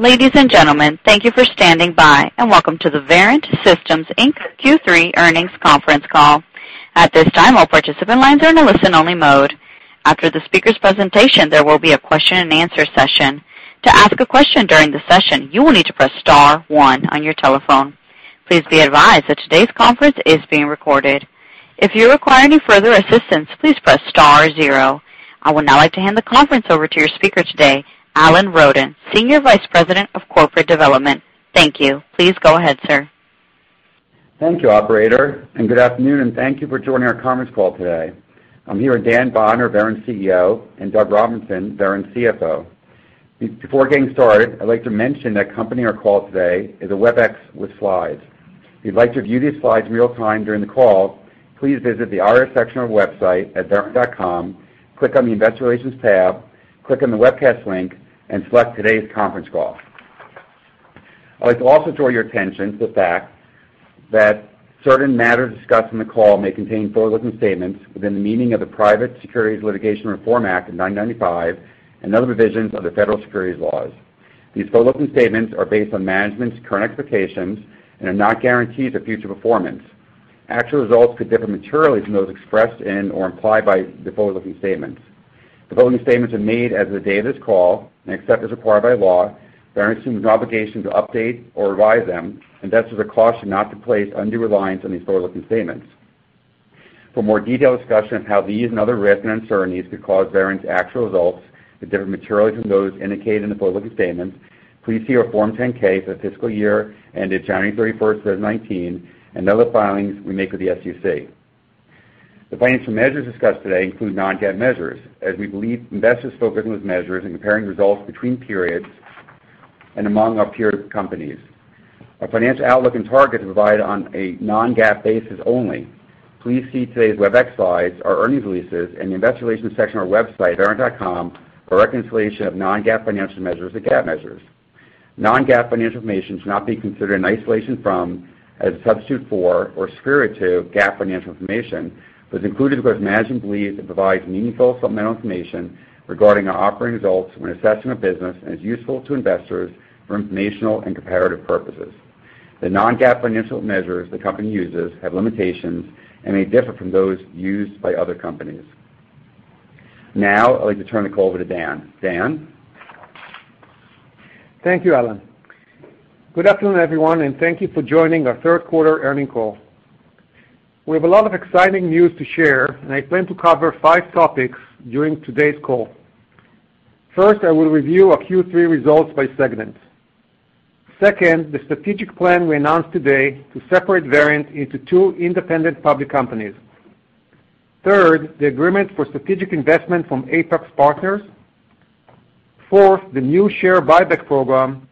Ladies and gentlemen, thank you for standing by, and welcome to the Verint Systems Inc. Q3 earnings conference call. At this time, all participant lines are in a listen-only mode. After the speaker's presentation, there will be a question-and-answer session. To ask a question during the session, you will need to press star one on your telephone. Please be advised that today's conference is being recorded. If you require any further assistance, please press star zero. I would now like to hand the conference over to your speaker today, Alan Roden, Senior Vice President of Corporate Development. Thank you. Please go ahead, sir. Thank you, operator. Good afternoon, and thank you for joining our conference call today. I'm here with Dan Bodner, Verint CEO, and Doug Robinson, Verint CFO. Before getting started, I'd like to mention that accompanying our call today is a WebEx with slides. If you'd like to view these slides in real time during the call, please visit the IR section of our website at verint.com, click on the Investor Relations tab, click on the Webcast link, and select today's conference call. I'd like to also draw your attention to the fact that certain matters discussed in the call may contain forward-looking statements within the meaning of the Private Securities Litigation Reform Act of 1995 and other provisions of the federal securities laws. These forward-looking statements are based on management's current expectations and are not guarantees of future performance. Actual results could differ materially from those expressed in or implied by the forward-looking statements. The forward-looking statements are made as of the day of this call and accepted as required by law. Verint Systems is not obligated to update or revise them, and thus is a caution not to place undue reliance on these forward-looking statements. For more detailed discussion of how these and other risks and uncertainties could cause Verint's actual results to differ materially from those indicated in the forward-looking statements, please see our Form 10-K for the fiscal year ended January 31st, 2019, and other filings we make with the SEC. The financial measures discussed today include non-GAAP measures, as we believe investors focus on those measures in comparing results between periods and among our peer companies. Our financial outlook and targets are provided on a non-GAAP basis only. Please see today's WebEx slides, our earnings releases, and the Investor Relations section of our website, verint.com, for reconciliation of non-GAAP financial measures with GAAP measures. Non-GAAP financial information should not be considered in isolation from, as a substitute for, or spur to, GAAP financial information, but is included because management believes it provides meaningful supplemental information regarding our operating results when assessing our business and is useful to investors for informational and comparative purposes. The non-GAAP financial measures the company uses have limitations and may differ from those used by other companies. Now, I'd like to turn the call over to Dan. Dan. Thank you, Alan. Good afternoon, everyone, and thank you for joining our third quarter earnings call. We have a lot of exciting news to share, and I plan to cover five topics during today's call. First, I will review our Q3 results by segments. Second, the strategic plan we announced today to separate Verint into two independent public companies. Third, the agreement for strategic investment from Apax Partners. Fourth, the new share buyback program.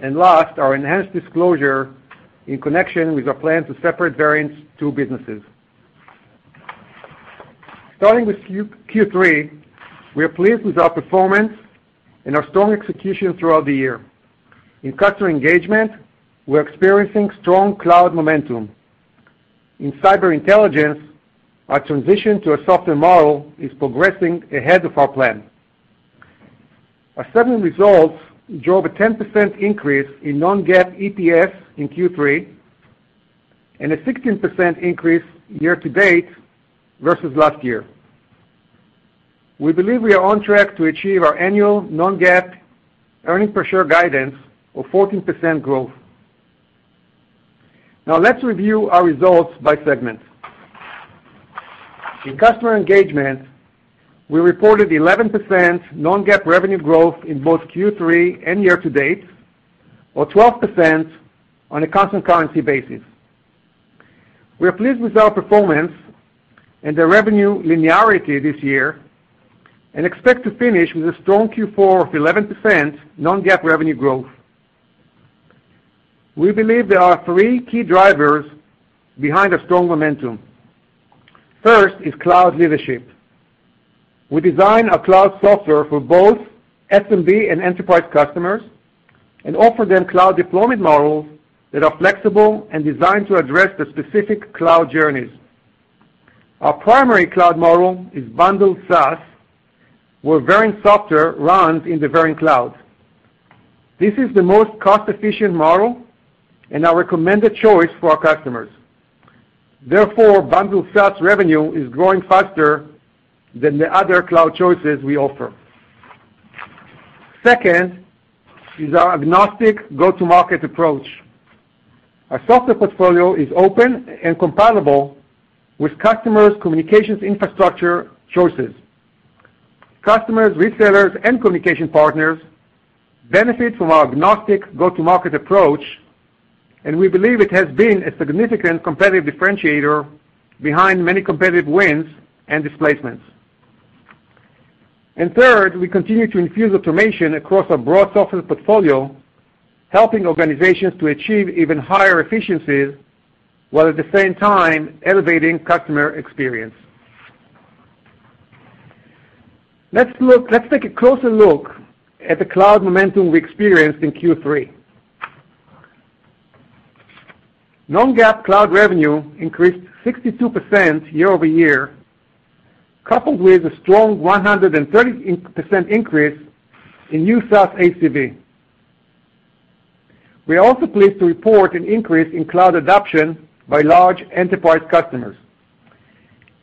And last, our enhanced disclosure in connection with our plan to separate Verint's two businesses. Starting with Q3, we are pleased with our performance and our strong execution throughout the year. In Customer Engagement, we're experiencing strong cloud momentum. In Cyber Intelligence, our transition to a software model is progressing ahead of our plan. Our segment results drove a 10% increase in non-GAAP EPS in Q3 and a 16% increase year to date versus last year. We believe we are on track to achieve our annual non-GAAP earnings per share guidance of 14% growth. Now, let's review our results by segments. In Customer Engagement, we reported 11% non-GAAP revenue growth in both Q3 and year to date, or 12% on a constant currency basis. We are pleased with our performance and the revenue linearity this year and expect to finish with a strong Q4 of 11% non-GAAP revenue growth. We believe there are three key drivers behind our strong momentum. First is cloud leadership. We design our cloud software for both SMB and enterprise customers and offer them cloud deployment models that are flexible and designed to address the specific cloud journeys. Our primary cloud model is Bundled SaaS, where Verint software runs in the Verint Cloud. This is the most cost-efficient model and our recommended choice for our customers. Therefore, bundled SaaS revenue is growing faster than the other cloud choices we offer. Second is our agnostic go-to-market approach. Our software portfolio is open and compatible with customers' communications infrastructure choices. Customers, retailers, and communication partners benefit from our agnostic go-to-market approach, and we believe it has been a significant competitive differentiator behind many competitive wins and displacements. And third, we continue to infuse automation across our broad software portfolio, helping organizations to achieve even higher efficiencies while at the same time elevating customer experience. Let's take a closer look at the cloud momentum we experienced in Q3. Non-GAAP cloud revenue increased 62% year over year, coupled with a strong 130% increase in new SaaS ACV. We are also pleased to report an increase in cloud adoption by large enterprise customers.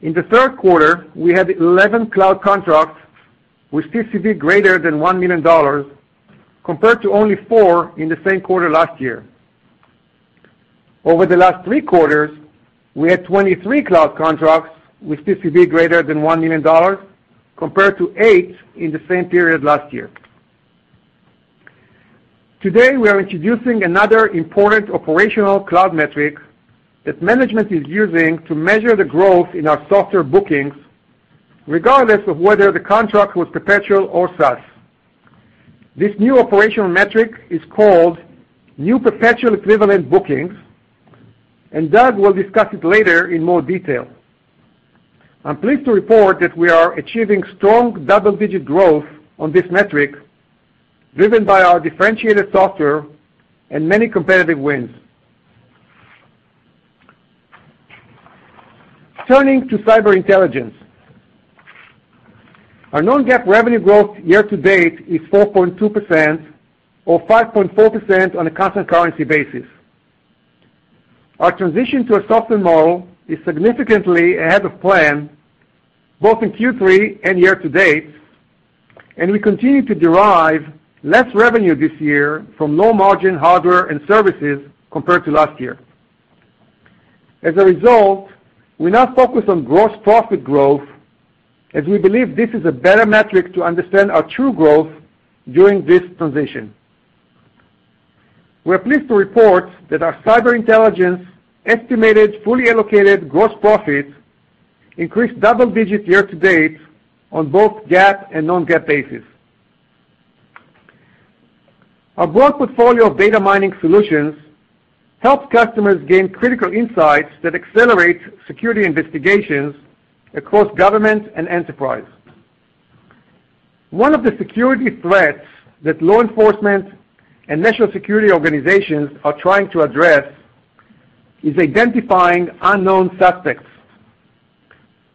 In the third quarter, we had 11 cloud contracts with CCV greater than $1 million, compared to only four in the same quarter last year. Over the last three quarters, we had 23 cloud contracts with CCV greater than $1 million, compared to eight in the same period last year. Today, we are introducing another important operational cloud metric that management is using to measure the growth in our software bookings, regardless of whether the contract was perpetual or SaaS. This new operational metric is called new Perpetual License Equivalent Bookings, and Doug will discuss it later in more detail. I'm pleased to report that we are achieving strong double-digit growth on this metric, driven by our differentiated software and many competitive wins. Turning to Cyber Intelligence, our non-GAAP revenue growth year to date is 4.2%, or 5.4% on a constant currency basis. Our transition to a software model is significantly ahead of plan, both in Q3 and year to date, and we continue to derive less revenue this year from low-margin hardware and services compared to last year. As a result, we now focus on gross profit growth, as we believe this is a better metric to understand our true growth during this transition. We're pleased to report that our Cyber Intelligence estimated fully allocated gross profit increased double-digit year to date on both GAAP and non-GAAP basis. Our broad portfolio of data mining solutions helps customers gain critical insights that accelerate security investigations across government and enterprise. One of the security threats that law enforcement and national security organizations are trying to address is identifying unknown suspects.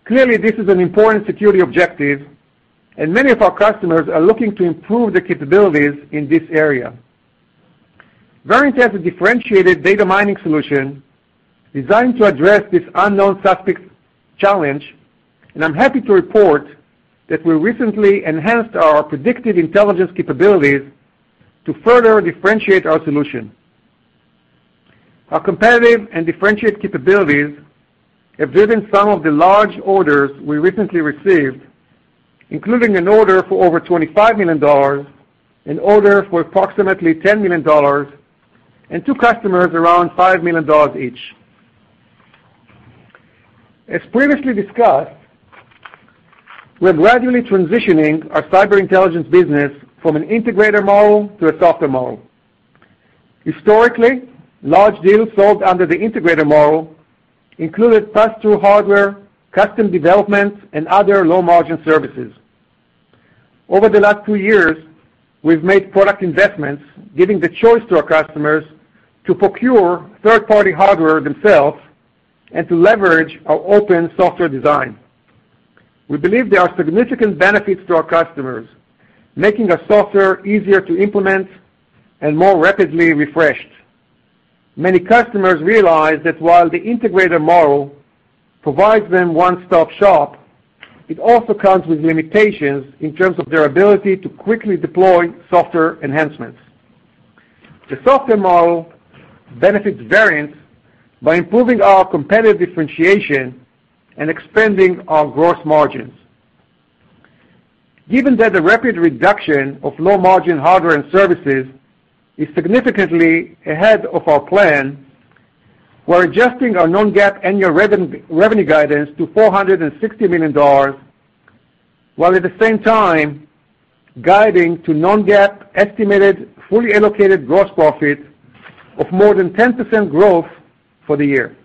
Clearly, this is an important security objective, and many of our customers are looking to improve their capabilities in this area. Verint has a differentiated data mining solution designed to address this unknown suspect challenge, and I'm happy to report that we recently enhanced our predictive intelligence capabilities to further differentiate our solution. Our competitive and differentiated capabilities have driven some of the large orders we recently received, including an order for over $25 million, an order for approximately $10 million, and two customers around $5 million each. As previously discussed, we're gradually transitioning our cyber intelligence business from an integrator model to a software model. Historically, large deals sold under the integrator model included pass-through hardware, custom development, and other low-margin services. Over the last two years, we've made product investments, giving the choice to our customers to procure third-party hardware themselves and to leverage our open software design. We believe there are significant benefits to our customers, making our software easier to implement and more rapidly refreshed. Many customers realize that while the integrator model provides them one-stop shop, it also comes with limitations in terms of their ability to quickly deploy software enhancements. The software model benefits Verint by improving our competitive differentiation and expanding our gross margins. Given that the rapid reduction of low-margin hardware and services is significantly ahead of our plan, we're adjusting our non-GAAP annual revenue guidance to $460 million, while at the same time guiding to non-GAAP estimated fully allocated gross profit of more than 10% growth for the year.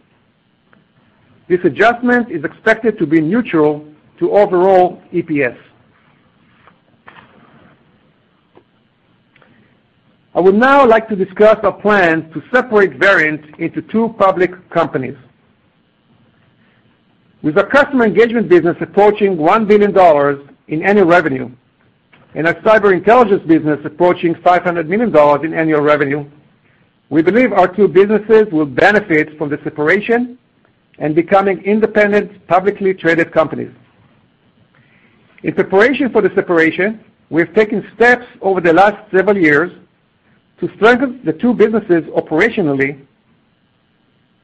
This adjustment is expected to be neutral to overall EPS. I would now like to discuss our plan to separate Verint into two public companies. With our Customer Engagement business approaching $1 billion in annual revenue and our Cyber Intelligence business approaching $500 million in annual revenue, we believe our two businesses will benefit from the separation and becoming independent publicly traded companies. In preparation for the separation, we've taken steps over the last several years to strengthen the two businesses operationally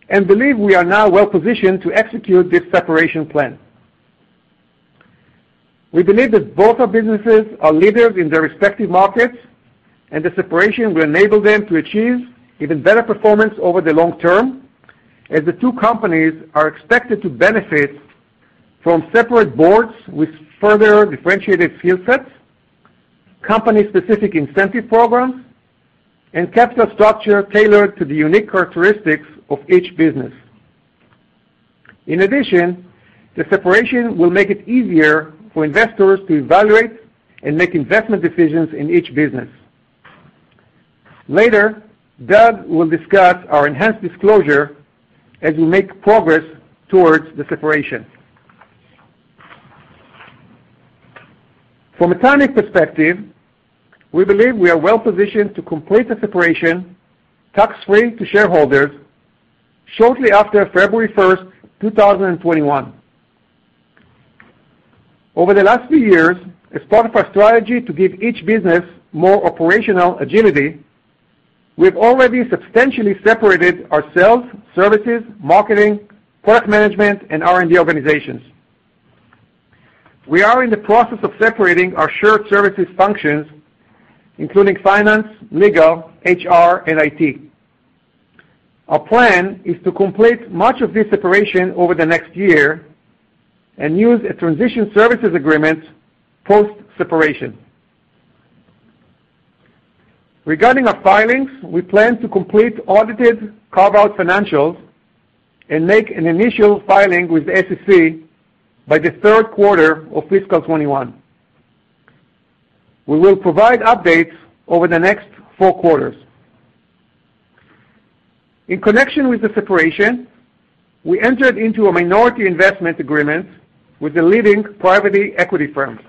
and believe we are now well-positioned to execute this separation plan. We believe that both our businesses are leaders in their respective markets, and the separation will enable them to achieve even better performance over the long term, as the two companies are expected to benefit from separate boards with further differentiated skill sets, company-specific incentive programs, and capital structure tailored to the unique characteristics of each business. In addition, the separation will make it easier for investors to evaluate and make investment decisions in each business. Later, Doug will discuss our enhanced disclosure as we make progress towards the separation. From a timing perspective, we believe we are well-positioned to complete the separation tax-free to shareholders shortly after February 1st, 2021. Over the last few years, as part of our strategy to give each business more operational agility, we've already substantially separated our sales, services, marketing, product management, and R&D organizations. We are in the process of separating our shared services functions, including finance, legal, HR, and IT. Our plan is to complete much of this separation over the next year and use a transition services agreement post-separation. Regarding our filings, we plan to complete audited carve-out financials and make an initial filing with SEC by the third quarter of fiscal 2021. We will provide updates over the next four quarters. In connection with the separation, we entered into a minority investment agreement with a leading private equity firm.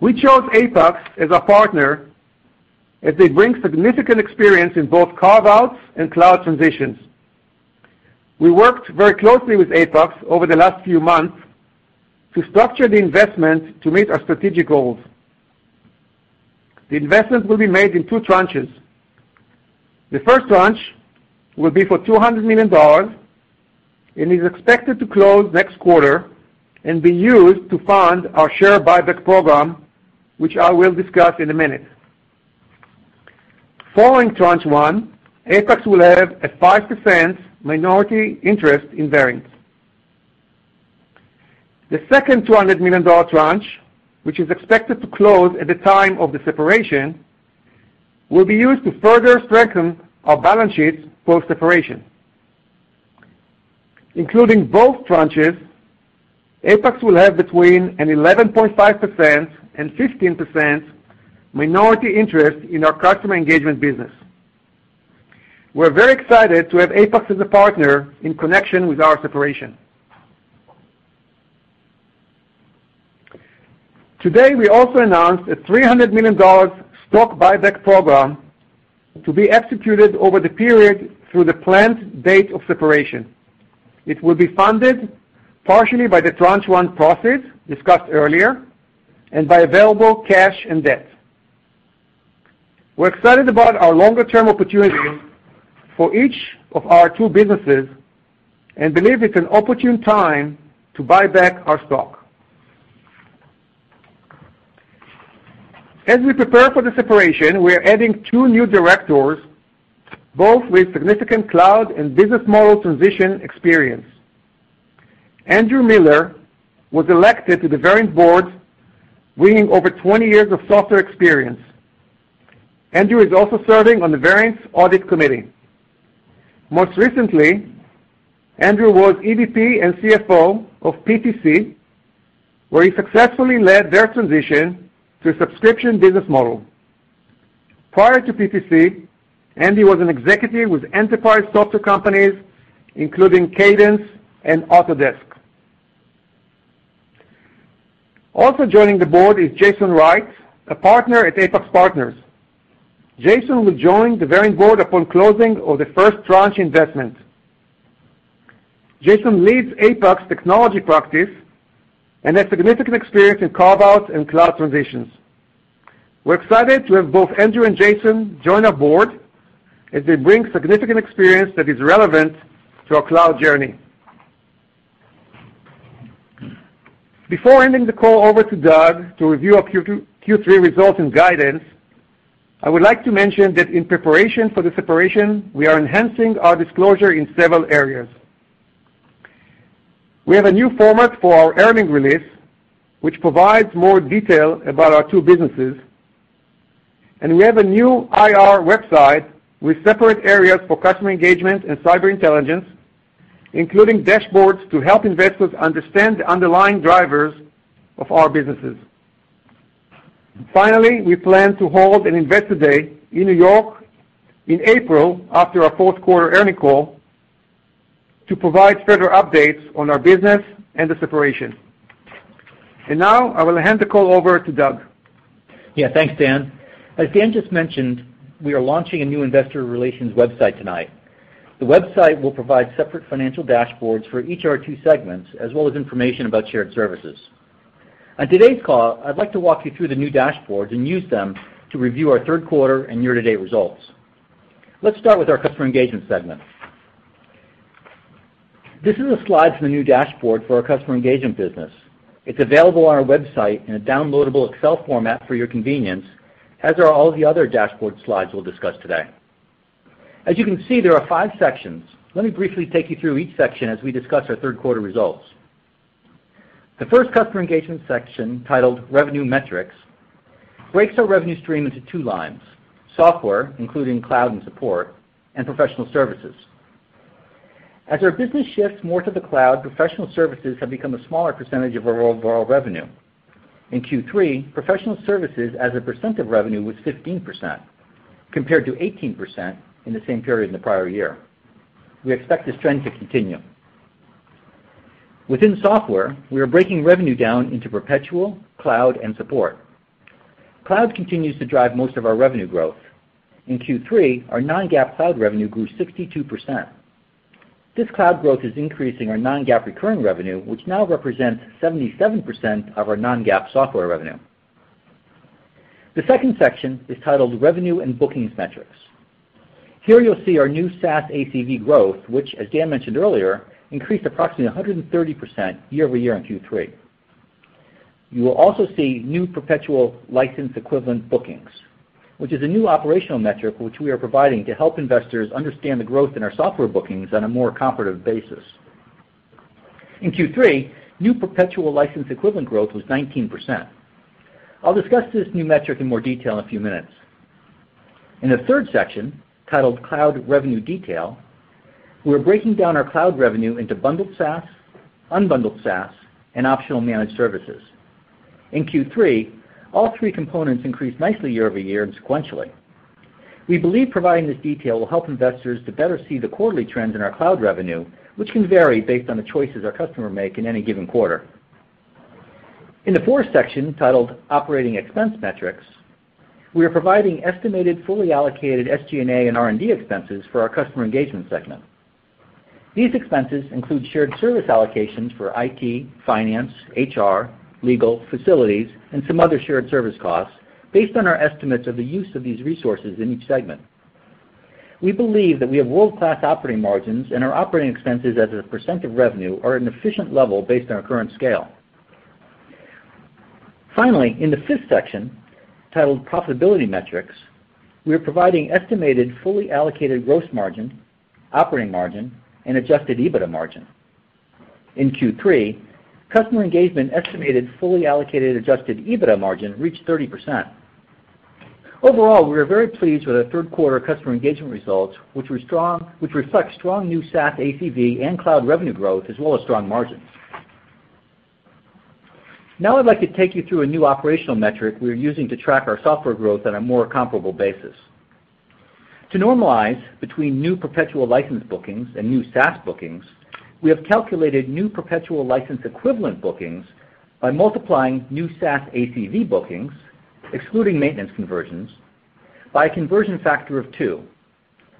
We chose Apax Partners as our partner as they bring significant experience in both carve-outs and cloud transitions. We worked very closely with Apax Partners over the last few months to structure the investment to meet our strategic goals. The investment will be made in two tranches. The first tranche will be for $200 million and is expected to close next quarter and be used to fund our share buyback program, which I will discuss in a minute. Following tranche one, Apax Partners will have a 5% minority interest in Verint. The second $200 million tranche, which is expected to close at the time of the separation, will be used to further strengthen our balance sheets post-separation. Including both tranches, Apax Partners will have between an 11.5% and 15% minority interest in our customer engagement business. We're very excited to have Apax as a partner in connection with our separation. Today, we also announced a $300 million stock buyback program to be executed over the period through the planned date of separation. It will be funded partially by the tranche one process discussed earlier and by available cash and debt. We're excited about our longer-term opportunities for each of our two businesses and believe it's an opportune time to buy back our stock. As we prepare for the separation, we are adding two new directors, both with significant cloud and business model transition experience. Andrew Miller was elected to the Verint board, bringing over 20 years of software experience. Andrew is also serving on the Verint audit committee. Most recently, Andrew was EVP and CFO of PTC, where he successfully led their transition to a subscription business model. Prior to PTC, Andy was an executive with enterprise software companies, including Cadence and Autodesk. Also joining the board is Jason Wright, a partner at Apax Partners. Jason will join the Verint board upon closing of the first tranche investment. Jason leads Apax Technology Practice and has significant experience in carve-outs and cloud transitions. We're excited to have both Andrew and Jason join our board as they bring significant experience that is relevant to our cloud journey. Before handing the call over to Doug to review our Q3 results and guidance, I would like to mention that in preparation for the separation, we are enhancing our disclosure in several areas. We have a new format for our earnings release, which provides more detail about our two businesses. We have a new IR website with separate areas for customer engagement and cyber intelligence, including dashboards to help investors understand the underlying drivers of our businesses. Finally, we plan to hold an investor day in New York in April after our fourth quarter earnings call to provide further updates on our business and the separation. Now, I will hand the call over to Doug. Yeah, thanks, Dan. As Dan just mentioned, we are launching a new investor relations website tonight. The website will provide separate financial dashboards for each of our two segments, as well as information about shared services. On today's call, I'd like to walk you through the new dashboards and use them to review our third quarter and year-to-date results. Let's start with our customer engagement segment. This is a slide from the new dashboard for our customer engagement business. It's available on our website in a downloadable Excel format for your convenience, as are all the other dashboard slides we'll discuss today. As you can see, there are five sections. Let me briefly take you through each section as we discuss our third quarter results. The first Customer Engagement section, titled Revenue Metrics, breaks our revenue stream into two lines: software, including cloud and support, and professional services. As our business shifts more to the cloud, professional services have become a smaller percentage of our overall revenue. In Q3, professional services had a percent of revenue was 15%, compared to 18% in the same period in the prior year. We expect this trend to continue. Within software, we are breaking revenue down into perpetual, cloud, and support. Cloud continues to drive most of our revenue growth. In Q3, our Non-GAAP cloud revenue grew 62%. This cloud growth is increasing our non-GAAP recurring revenue, which now represents 77% of our non-GAAP software revenue. The second section is titled Revenue and Bookings Metrics. Here, you'll see our new SaaS ACV growth, which, as Dan mentioned earlier, increased approximately 130% year-over-year in Q3. You will also see new perpetual license equivalent bookings, which is a new operational metric which we are providing to help investors understand the growth in our software bookings on a more comparative basis. In Q3, new perpetual license equivalent growth was 19%. I'll discuss this new metric in more detail in a few minutes. In the third section, titled Cloud Revenue Detail, we're breaking down our cloud revenue into bundled SaaS, unbundled SaaS, and optional managed services. In Q3, all three components increased nicely year-over-year and sequentially. We believe providing this detail will help investors to better see the quarterly trends in our cloud revenue, which can vary based on the choices our customers make in any given quarter. In the fourth section, titled Operating Expense Metrics, we are providing estimated fully allocated SG&A and R&D expenses for our customer engagement segment. These expenses include shared service allocations for IT, finance, HR, legal, facilities, and some other shared service costs based on our estimates of the use of these resources in each segment. We believe that we have world-class operating margins, and our operating expenses as a % of revenue are at an efficient level based on our current scale. Finally, in the fifth section, titled Profitability Metrics, we are providing estimated fully allocated gross margin, operating margin, and adjusted EBITDA margin. In Q3, customer engagement estimated fully allocated adjusted EBITDA margin reached 30%. Overall, we are very pleased with our third quarter customer engagement results, which reflect strong new SaaS ACV and cloud revenue growth, as well as strong margins. Now, I'd like to take you through a new operational metric we are using to track our software growth on a more comparable basis. To normalize between new perpetual license bookings and new SaaS bookings, we have calculated new perpetual license equivalent bookings by multiplying new SaaS ACV bookings, excluding maintenance conversions, by a conversion factor of two,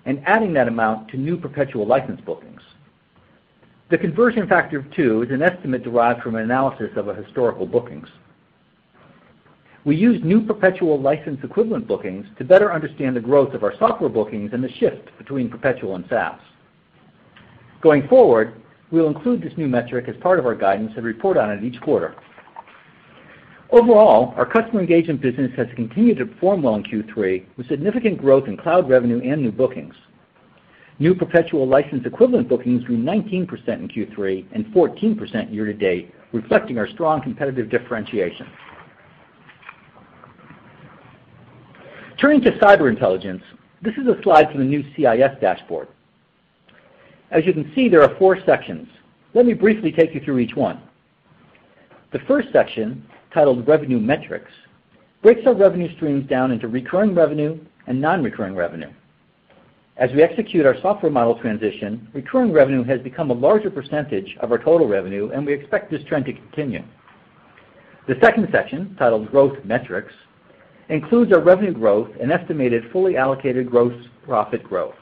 and adding that amount to new perpetual license bookings. The conversion factor of two is an estimate derived from an analysis of our historical bookings. We use new perpetual license equivalent bookings to better understand the growth of our software bookings and the shift between perpetual and SaaS. Going forward, we'll include this new metric as part of our guidance and report on it each quarter. Overall, our Customer Engagement business has continued to perform well in Q3, with significant growth in cloud revenue and new bookings. New Perpetual License Equivalent Bookings grew 19% in Q3 and 14% year-to-date, reflecting our strong competitive differentiation. Turning to Cyber Intelligence, this is a slide from the new CIS dashboard. As you can see, there are four sections. Let me briefly take you through each one. The first section, titled Revenue Metrics, breaks our revenue streams down into recurring revenue and non-recurring revenue. As we execute our software model transition, recurring revenue has become a larger percentage of our total revenue, and we expect this trend to continue. The second section, titled Growth Metrics, includes our revenue growth and estimated fully allocated gross profit growth.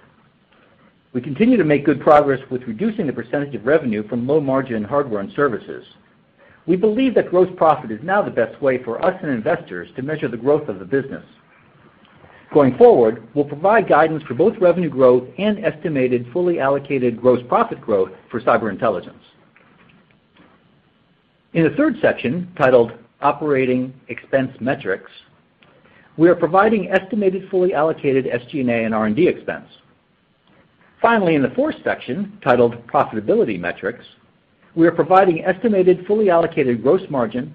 We continue to make good progress with reducing the percentage of revenue from low-margin hardware and services. We believe that gross profit is now the best way for us and investors to measure the growth of the business. Going forward, we'll provide guidance for both revenue growth and estimated fully allocated gross profit growth for Cyber Intelligence. In the third section, titled Operating Expense Metrics, we are providing estimated fully allocated SG&A and R&D expense. Finally, in the fourth section, titled Profitability Metrics, we are providing estimated fully allocated gross margin,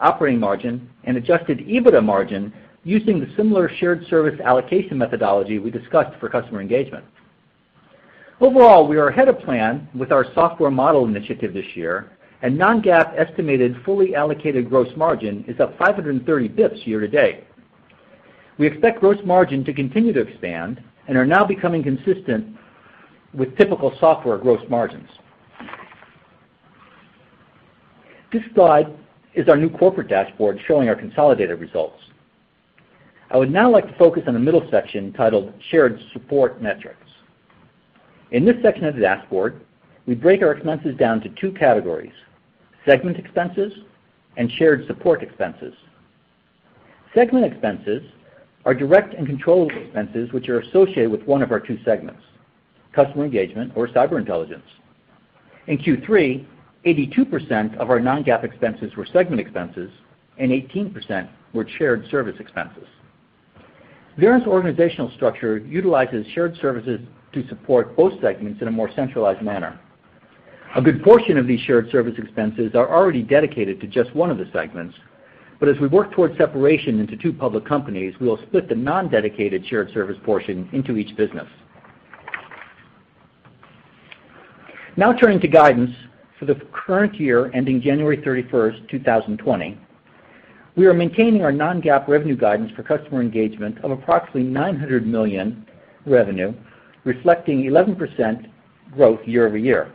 operating margin, and adjusted EBITDA margin using the similar shared service allocation methodology we discussed for Customer Engagement. Overall, we are ahead of plan with our software model initiative this year, and Non-GAAP estimated fully allocated gross margin is up 530 basis points year-to-date. We expect gross margin to continue to expand and are now becoming consistent with typical software gross margins. This slide is our new corporate dashboard showing our consolidated results. I would now like to focus on the middle section, titled Shared Support Metrics. In this section of the dashboard, we break our expenses down to two categories: segment expenses and shared support expenses. Segment expenses are direct and controllable expenses which are associated with one of our two segments: customer engagement or cyber intelligence. In Q3, 82% of our non-GAAP expenses were segment expenses, and 18% were shared support expenses. Verint's organizational structure utilizes shared services to support both segments in a more centralized manner. A good portion of these shared service expenses are already dedicated to just one of the segments, but as we work towards separation into two public companies, we will split the non-dedicated shared service portion into each business. Now, turning to guidance for the current year ending January 31st, 2020, we are maintaining our non-GAAP revenue guidance for Customer Engagement of approximately $900 million revenue, reflecting 11% growth year-over-year.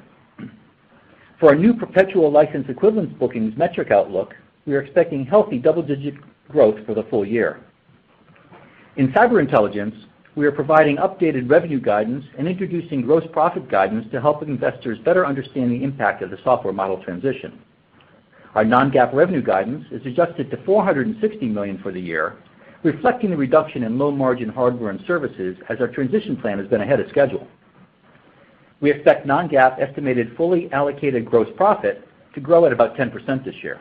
For our new perpetual license equivalent bookings metric outlook, we are expecting healthy double-digit growth for the full year. In Cyber Intelligence, we are providing updated revenue guidance and introducing gross profit guidance to help investors better understand the impact of the software model transition. Our non-GAAP revenue guidance is adjusted to $460 million for the year, reflecting the reduction in low-margin hardware and services as our transition plan has been ahead of schedule. We expect non-GAAP estimated fully allocated gross profit to grow at about 10% this year.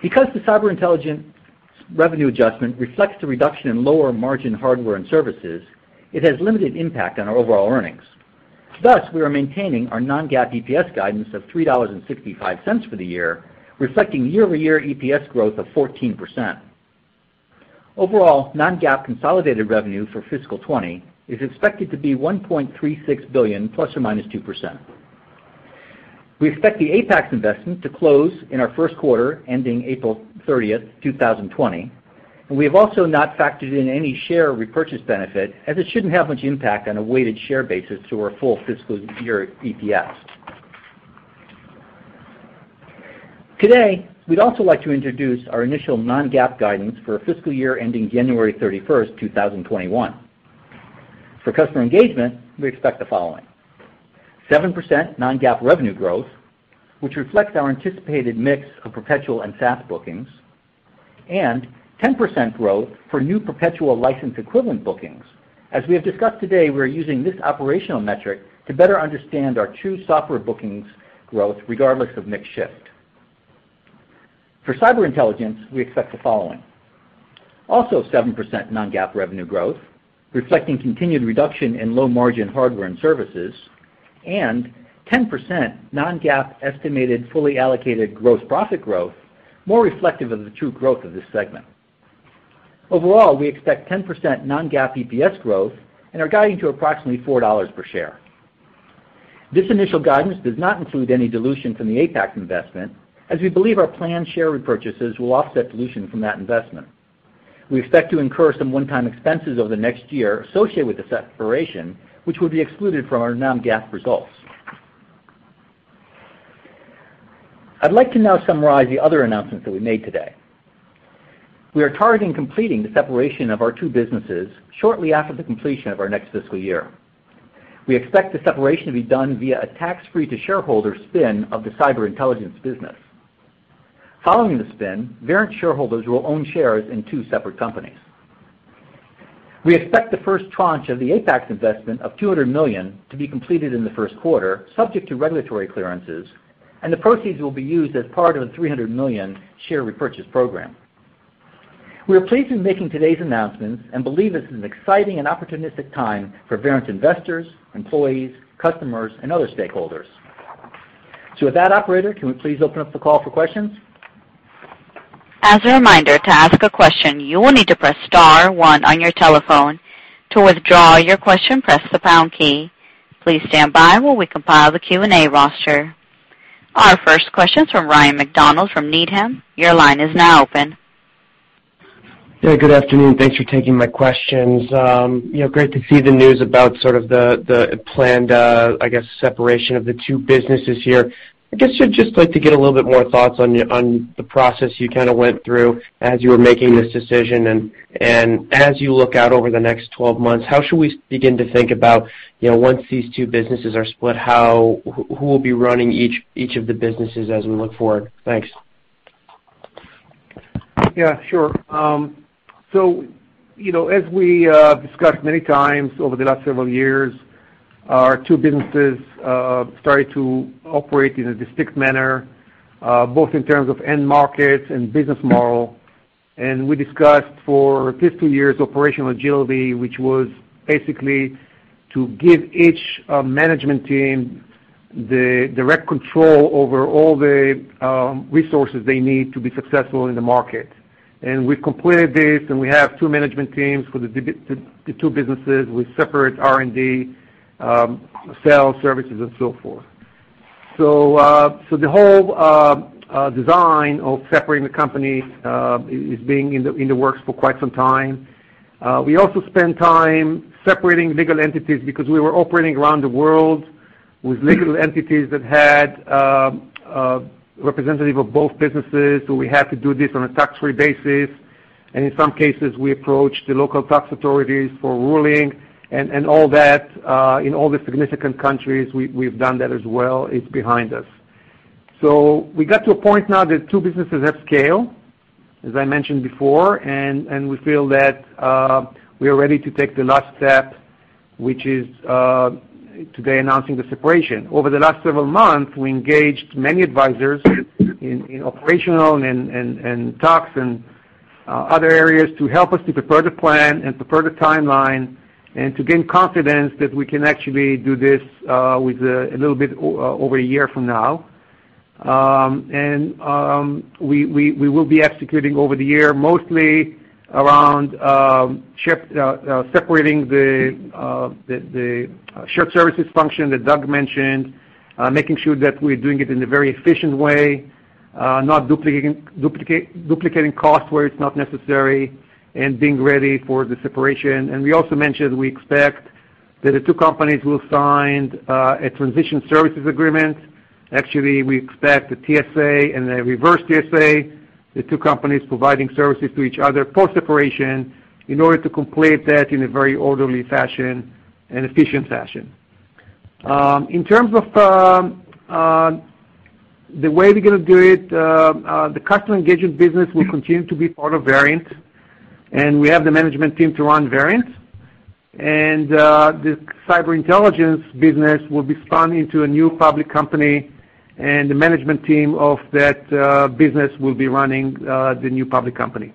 Because the Cyber Intelligence revenue adjustment reflects the reduction in lower-margin hardware and services, it has limited impact on our overall earnings. Thus, we are maintaining our non-GAAP EPS guidance of $3.65 for the year, reflecting year-over-year EPS growth of 14%. Overall, non-GAAP consolidated revenue for fiscal 2020 is expected to be $1.36 billion, plus or minus 2%. We expect the Apax investment to close in our first quarter ending April 30th, 2020, and we have also not factored in any share repurchase benefit, as it shouldn't have much impact on a weighted share basis to our full fiscal year EPS. Today, we'd also like to introduce our initial non-GAAP guidance for a fiscal year ending January 31st, 2021. For Customer Engagement, we expect the following: 7% non-GAAP revenue growth, which reflects our anticipated mix of perpetual and SaaS bookings, and 10% growth for new perpetual license equivalent bookings. As we have discussed today, we are using this operational metric to better understand our true software bookings growth regardless of mix shift. For Cyber Intelligence, we expect the following: also 7% non-GAAP revenue growth, reflecting continued reduction in low-margin hardware and services, and 10% non-GAAP estimated fully allocated gross profit growth, more reflective of the true growth of this segment. Overall, we expect 10% non-GAAP EPS growth and are guiding to approximately $4 per share. This initial guidance does not include any dilution from the Apax investment, as we believe our planned share repurchases will offset dilution from that investment. We expect to incur some one-time expenses over the next year associated with the separation, which would be excluded from our non-GAAP results. I'd like to now summarize the other announcements that we made today. We are targeting completing the separation of our two businesses shortly after the completion of our next fiscal year. We expect the separation to be done via a tax-free to shareholders spin of the cyber intelligence business. Following the spin, Verint shareholders will own shares in two separate companies. We expect the first tranche of the Apax investment of $200 million to be completed in the first quarter, subject to regulatory clearances, and the proceeds will be used as part of the $300 million share repurchase program. We are pleased with making today's announcements and believe this is an exciting and opportunistic time for Verint investors, employees, customers, and other stakeholders. So, with that, operator, can we please open up the call for questions? As a reminder, to ask a question, you will need to press star one on your telephone. To withdraw your question, press the pound key. Please stand by while we compile the Q&A roster. Our first question is fromRyan MacDonald from Needham. Your line is now open. Yeah, good afternoon. Thanks for taking my questions. Great to see the news about sort of the planned, I guess, separation of the two businesses here. I guess I'd just like to get a little bit more thoughts on the process you kind of went through as you were making this decision, and as you look out over the next 12 months, how should we begin to think about once these two businesses are split, who will be running each of the businesses as we look forward? Thanks. Yeah, sure. So, as we discussed many times over the last several years, our two businesses started to operate in a distinct manner, both in terms of end markets and business model. And we discussed for these two years operational agility, which was basically to give each management team the direct control over all the resources they need to be successful in the market. And we've completed this, and we have two management teams for the two businesses with separate R&D, sales, services, and so forth. So the whole design of separating the company is being in the works for quite some time. We also spent time separating legal entities because we were operating around the world with legal entities that had representatives of both businesses, so we had to do this on a tax-free basis. And in some cases, we approached the local tax authorities for ruling, and all that in all the significant countries. We've done that as well. It's behind us. So we got to a point now that two businesses have scale, as I mentioned before, and we feel that we are ready to take the last step, which is today announcing the separation. Over the last several months, we engaged many advisors in operational and tax and other areas to help us to prepare the plan and prepare the timeline and to gain confidence that we can actually do this with a little bit over a year from now. And we will be executing over the year mostly around separating the shared services function that Doug mentioned, making sure that we're doing it in a very efficient way, not duplicating costs where it's not necessary, and being ready for the separation. We also mentioned we expect that the two companies will sign a Transition Services Agreement. Actually, we expect a TSA and a reverse TSA, the two companies providing services to each other post-separation in order to complete that in a very orderly fashion and efficient fashion. In terms of the way we're going to do it, the Customer Engagement business will continue to be part of Verint, and we have the management team to run Verint. The Cyber Intelligence business will be spun into a new public company, and the management team of that business will be running the new public company.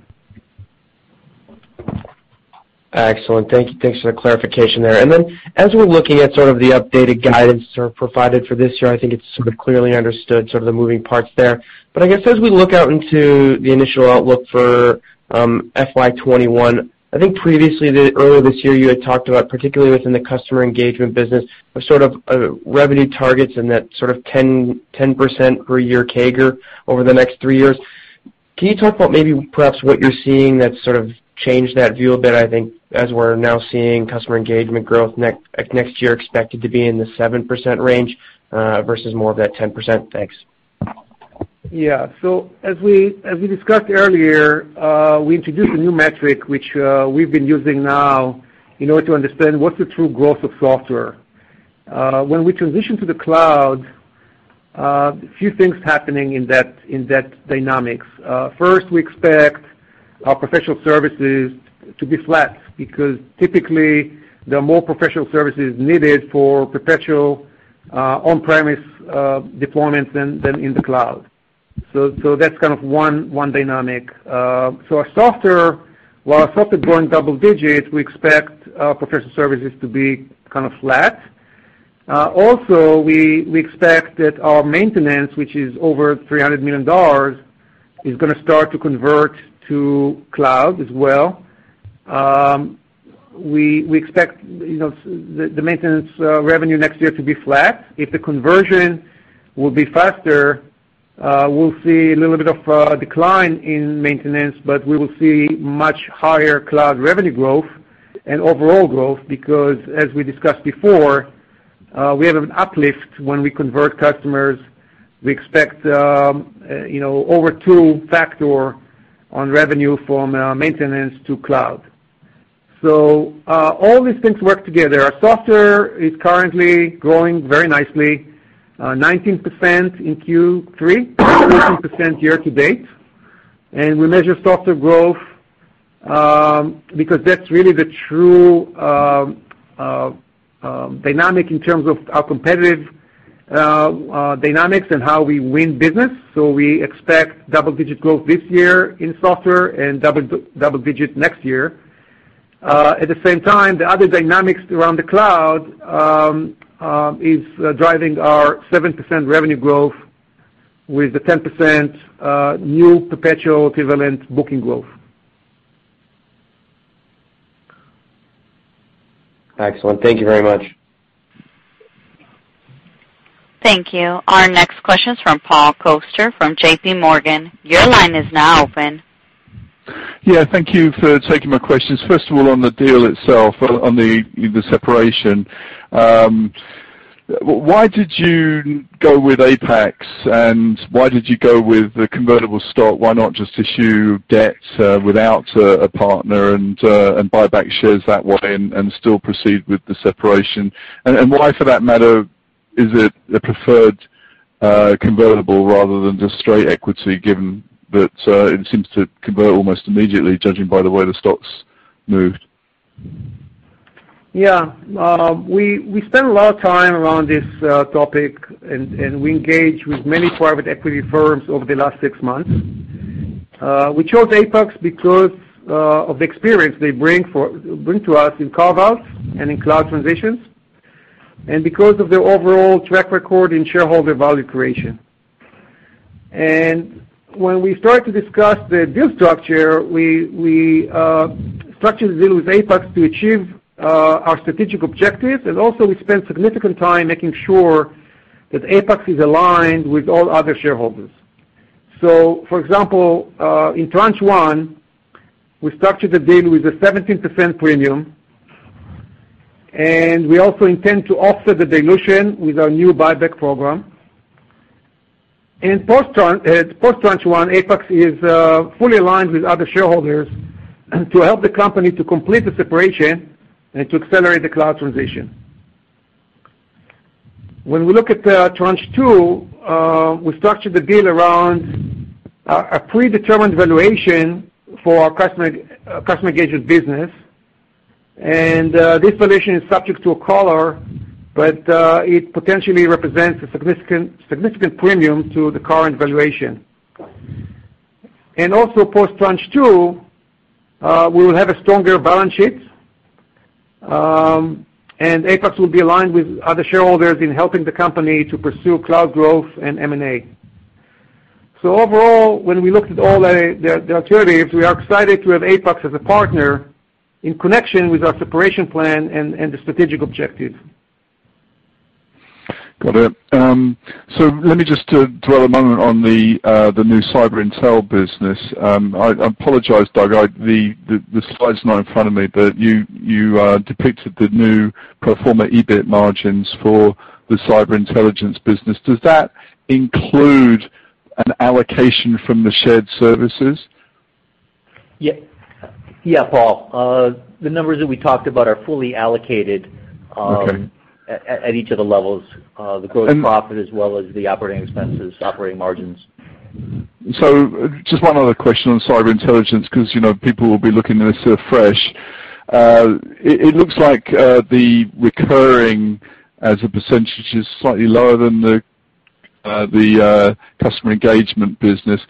Excellent. Thank you. Thanks for the clarification there. Then, as we're looking at sort of the updated guidance sort of provided for this year, I think it's sort of clearly understood sort of the moving parts there. But I guess as we look out into the initial outlook for FY21, I think previously, early this year, you had talked about, particularly within the customer engagement business, sort of revenue targets and that sort of 10% per year CAGR over the next three years. Can you talk about maybe perhaps what you're seeing that's sort of changed that view a bit, I think, as we're now seeing customer engagement growth next year expected to be in the 7% range versus more of that 10%? Thanks. Yeah. So as we discussed earlier, we introduced a new metric, which we've been using now in order to understand what's the true growth of software. When we transition to the cloud, a few things happening in that dynamics. First, we expect our professional services to be flat because typically, there are more professional services needed for perpetual on-premise deployments than in the cloud. So that's kind of one dynamic. So while our software is growing double digits, we expect our professional services to be kind of flat. Also, we expect that our maintenance, which is over $300 million, is going to start to convert to cloud as well. We expect the maintenance revenue next year to be flat. If the conversion will be faster, we'll see a little bit of a decline in maintenance, but we will see much higher cloud revenue growth and overall growth because, as we discussed before, we have an uplift when we convert customers. We expect over two-fold on revenue from maintenance to cloud. So all these things work together. Our software is currently growing very nicely, 19% in Q3, 14% year-to-date. We measure software growth because that's really the true dynamic in terms of our competitive dynamics and how we win business. So we expect double-digit growth this year in software and double-digit next year. At the same time, the other dynamics around the cloud is driving our 7% revenue growth with the 10% new perpetual equivalent booking growth. Excellent. Thank you very much. Thank you. Our next question is from Paul Coster from J.P. Morgan. Your line is now open. Yeah. Thank you for taking my questions. First of all, on the deal itself, on the separation, why did you go with Apax, and why did you go with the convertible stock? Why not just issue debt without a partner and buy back shares that way and still proceed with the separation? Why, for that matter, is it a preferred convertible rather than just straight equity, given that it seems to convert almost immediately, judging by the way the stocks moved? Yeah. We spent a lot of time around this topic, and we engaged with many private equity firms over the last six months. We chose Apax because of the experience they bring to us in carve-outs and in cloud transitions, and because of their overall track record in shareholder value creation. And when we started to discuss the deal structure, we structured the deal with Apax to achieve our strategic objectives, and also, we spent significant time making sure that Apax is aligned with all other shareholders. So, for example, in tranche one, we structured the deal with a 17% premium, and we also intend to offset the dilution with our new buyback program. Post-tranche one, Apax is fully aligned with other shareholders to help the company complete the separation and accelerate the cloud transition. When we look at tranche two, we structured the deal around a predetermined valuation for our Customer Engagement business, and this valuation is subject to a collar, but it potentially represents a significant premium to the current valuation. Post-tranche two, we will have a stronger balance sheet, and Apax will be aligned with other shareholders in helping the company pursue cloud growth and M&A. Overall, when we looked at all the alternatives, we are excited to have Apax as a partner in connection with our separation plan and the strategic objectives. Got it. Let me just dwell a moment on the new cyber intel business. I apologize, Doug. The slide's not in front of me, but you depicted the new pro forma EBIT margins for the Cyber Intelligence business. Does that include an allocation from the shared services? Yeah. Yeah, Paul. The numbers that we talked about are fully allocated at each of the levels, the gross profit as well as the operating expenses, operating margins. So just one other question on Cyber Intelligence because people will be looking at this refresh. It looks like the recurring as a percentage is slightly lower than the Customer Engagement business.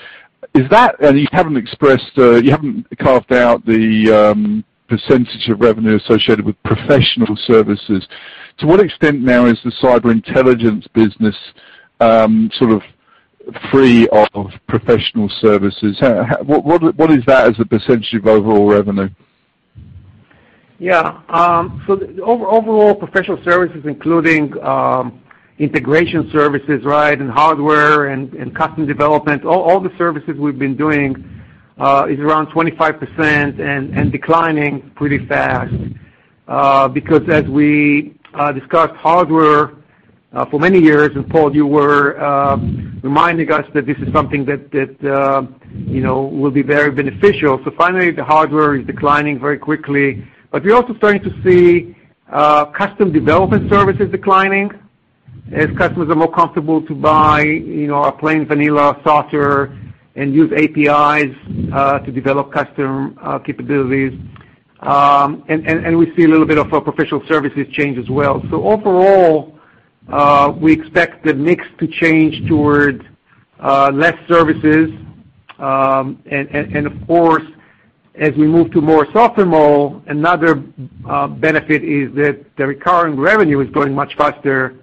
And you haven't carved out the percentage of revenue associated with professional services. To what extent now is the Cyber Intelligence business sort of free of professional services? What is that as a percentage of overall revenue? Yeah. So overall professional services, including integration services, right, and hardware and custom development, all the services we've been doing is around 25% and declining pretty fast because, as we discussed, hardware for many years, and Paul, you were reminding us that this is something that will be very beneficial, so finally, the hardware is declining very quickly. But we're also starting to see custom development services declining as customers are more comfortable to buy a plain vanilla software and use APIs to develop custom capabilities. And we see a little bit of professional services change as well. Overall, we expect the mix to change toward less services. And, of course, as we move to more software model, another benefit is that the recurring revenue is growing much faster.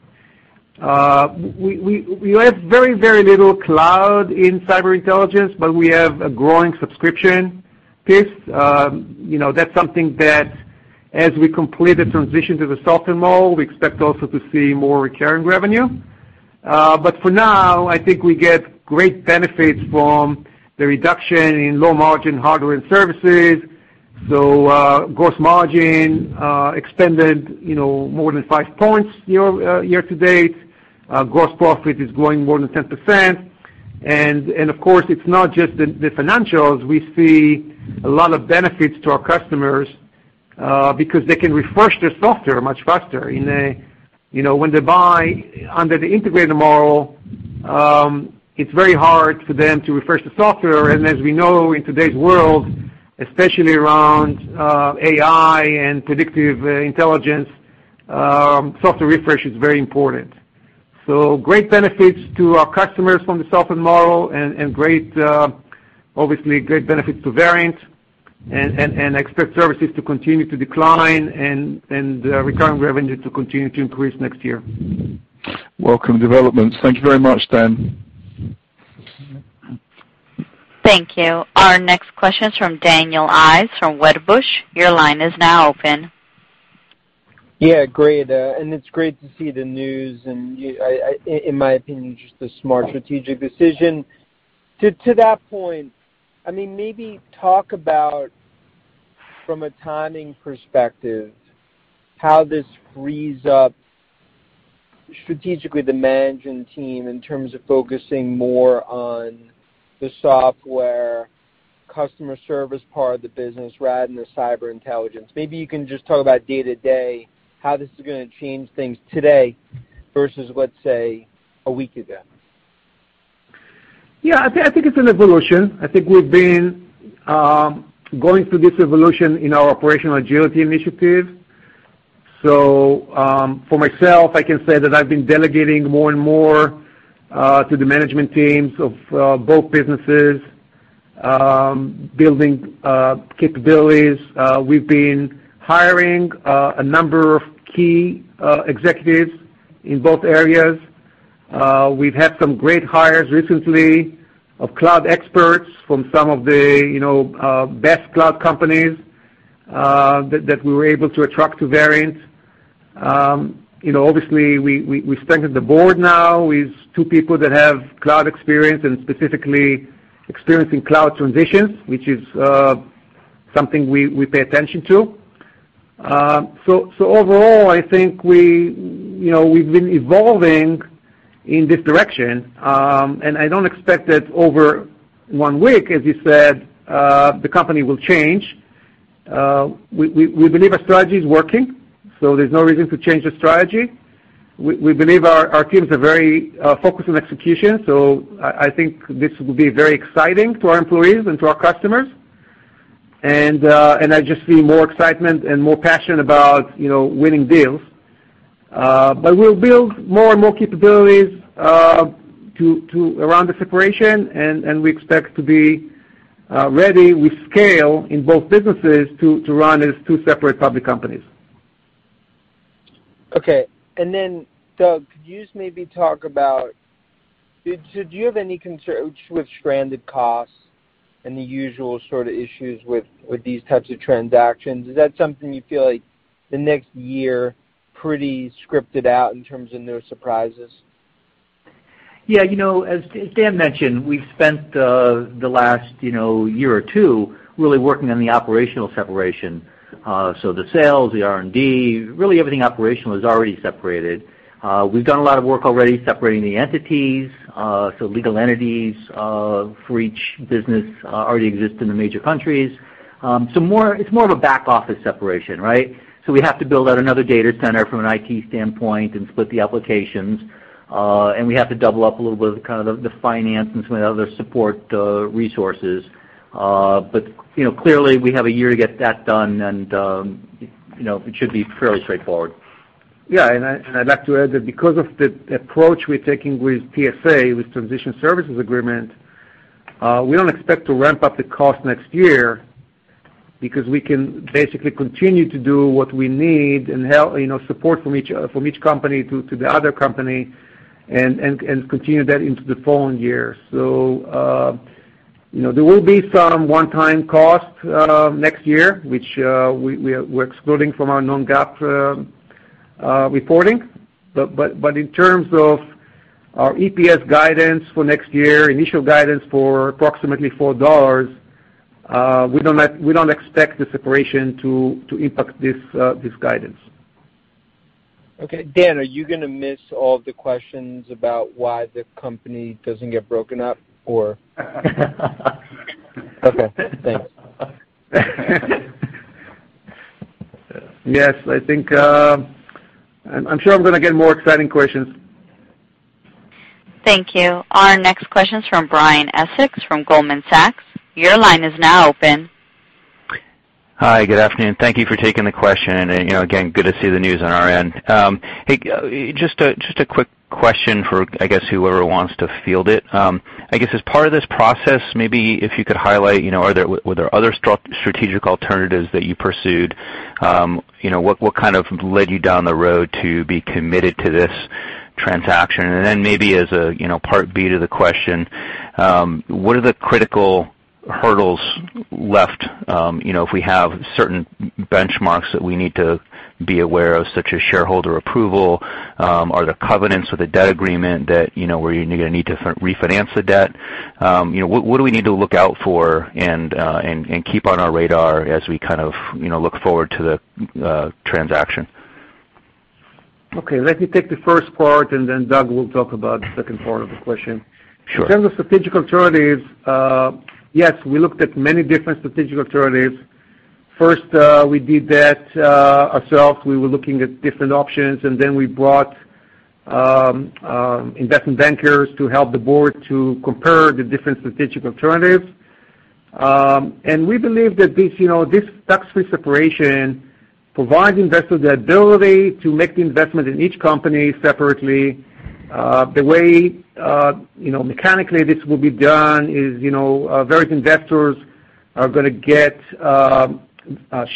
We have very, very little cloud in Cyber Intelligence, but we have a growing subscription piece. That's something that, as we complete the transition to the software model, we expect also to see more recurring revenue. But for now, I think we get great benefits from the reduction in low-margin hardware and services. So, gross margin extended more than five points year-to-date. Gross profit is growing more than 10%. And, of course, it's not just the financials. We see a lot of benefits to our customers because they can refresh their software much faster. When they buy under the integrated model, it's very hard for them to refresh the software. And as we know, in today's world, especially around AI and predictive intelligence, software refresh is very important. So, great benefits to our customers from the software model and, obviously, great benefits to Verint. And I expect services to continue to decline and recurring revenue to continue to increase next year. Welcome developments. Thank you very much, Dan. Thank you. Our next question is from Daniel Ives from Wedbush. Your line is now open. Yeah. Great. And it's great to see the news. And, in my opinion, just a smart strategic decision. To that point, I mean, maybe talk about, from a timing perspective, how this frees up strategically the management team in terms of focusing more on the software, customer service part of the business, rather than the Cyber Intelligence. Maybe you can just talk about day-to-day, how this is going to change things today versus, let's say, a week ago. Yeah. I think it's an evolution. I think we've been going through this evolution in our operational agility initiative. So, for myself, I can say that I've been delegating more and more to the management teams of both businesses, building capabilities. We've been hiring a number of key executives in both areas. We've had some great hires recently of cloud experts from some of the best cloud companies that we were able to attract to Verint. Obviously, we strengthened the board now with two people that have cloud experience and specifically experience in cloud transitions, which is something we pay attention to. So, overall, I think we've been evolving in this direction. And I don't expect that, over one week, as you said, the company will change. We believe our strategy is working, so there's no reason to change the strategy. We believe our teams are very focused on execution, so I think this will be very exciting to our employees and to our customers. And I just see more excitement and more passion about winning deals. But we'll build more and more capabilities around the separation, and we expect to be ready with scale in both businesses to run as two separate public companies. Okay. And then, Doug, could you just maybe talk about, did you have any concerns with stranded costs and the usual sort of issues with these types of transactions? Is that something you feel like the next year is pretty scripted out in terms of no surprises? Yeah. As Dan mentioned, we've spent the last year or two really working on the operational separation. So the sales, the R&D, really everything operational is already separated. We've done a lot of work already separating the entities. So legal entities for each business already exist in the major countries. So it's more of a back-office separation, right? So we have to build out another data center from an IT standpoint and split the applications. And we have to double up a little bit of kind of the finance and some of the other support resources. But clearly, we have a year to get that done, and it should be fairly straightforward. Yeah. And I'd like to add that because of the approach we're taking with TSA, with Transition Services Agreement, we don't expect to ramp up the cost next year because we can basically continue to do what we need and support from each company to the other company and continue that into the following year. So there will be some one-time cost next year, which we're excluding from our non-GAAP reporting. But in terms of our EPS guidance for next year, initial guidance for approximately $4, we don't expect the separation to impact this guidance. Okay. Dan, are you going to miss all the questions about why the company doesn't get broken up, or? Okay. Thanks. Yes. I'm sure I'm going to get more exciting questions. Thank you. Our next question is from Brian Essex from Goldman Sachs. Your line is now open. Hi. Good afternoon. Thank you for taking the question. And, again, good to see the news on our end. Just a quick question for, I guess, whoever wants to field it. I guess, as part of this process, maybe if you could highlight, were there other strategic alternatives that you pursued? What kind of led you down the road to be committed to this transaction? And then maybe as a part B to the question, what are the critical hurdles left if we have certain benchmarks that we need to be aware of, such as shareholder approval? Are there covenants with a debt agreement that we're going to need to refinance the debt? What do we need to look out for and keep on our radar as we kind of look forward to the transaction? Okay. Let me take the first part, and then Doug will talk about the second part of the question. In terms of strategic alternatives, yes, we looked at many different strategic alternatives. First, we did that ourselves. We were looking at different options, and then we brought investment bankers to help the board to compare the different strategic alternatives. And we believe that this tax-free separation provides investors the ability to make the investment in each company separately. The way mechanically this will be done is various investors are going to get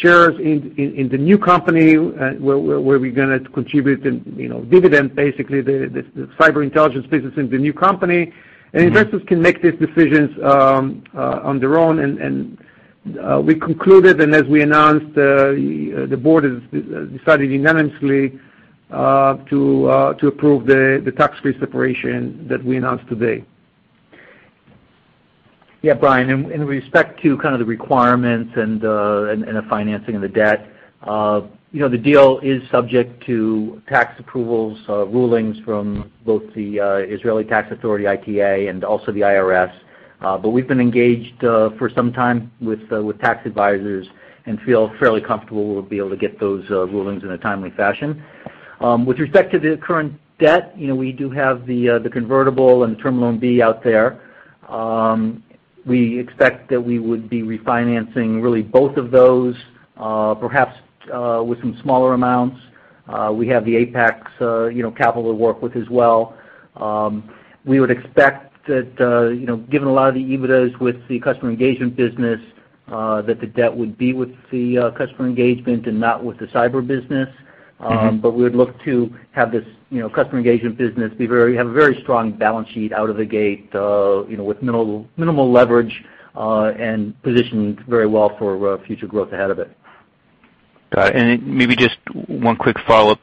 shares in the new company where we're going to contribute the dividend, basically, the cyber intelligence business in the new company. And investors can make these decisions on their own. And we concluded, and as we announced, the board has decided unanimously to approve the tax-free separation that we announced today. Yeah. Brian, in respect to kind of the requirements and the financing of the debt, the deal is subject to tax approvals, rulings from both the Israeli Tax Authority, ITA, and also the IRS. But we've been engaged for some time with tax advisors and feel fairly comfortable we'll be able to get those rulings in a timely fashion. With respect to the current debt, we do have the convertible and the term loan B out there. We expect that we would be refinancing really both of those, perhaps with some smaller amounts. We have the Apax's capital to work with as well. We would expect that, given a lot of the EBITDAs with the customer engagement business, that the debt would be with the customer engagement and not with the cyber business. But we would look to have this customer engagement business have a very strong balance sheet out of the gate with minimal leverage and positioned very well for future growth ahead of it. Got it. And maybe just one quick follow-up.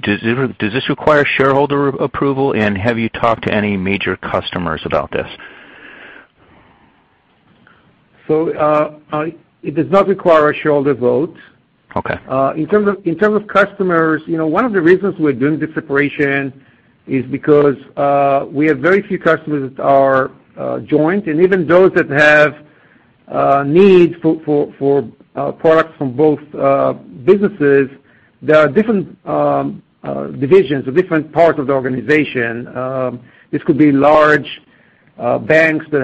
Does this require shareholder approval? And have you talked to any major customers about this? So it does not require a shareholder vote. In terms of customers, one of the reasons we're doing this separation is because we have very few customers that are joint. And even those that have needs for products from both businesses, there are different divisions or different parts of the organization. This could be large banks that